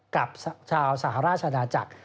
กับชาวสหราชนาจักร